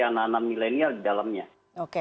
anak anak milenial di dalamnya oke